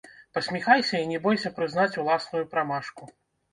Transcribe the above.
Пасміхайся і не бойся прызнаць уласную прамашку!